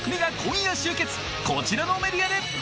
こちらのメディアで！